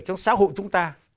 trong xã hội chúng ta